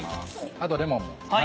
あとレモンも。